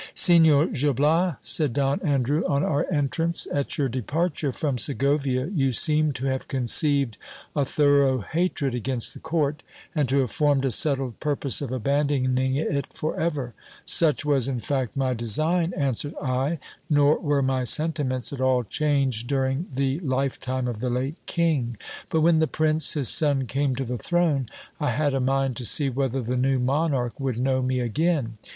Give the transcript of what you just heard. Signor Gil Bias, said Don Andrew on our entrance, at your departure from Segovia you seemed to have conceived a thorough hatred against the court, and to have formed a settled purpose of abandoning it for ever. Such was, in fact, my design, answered I ; nor were my sentiments at all changed during the lifetime of the late king ; but when the prince his son came to the throne, I had a mind to see whether the new monarch would know me again.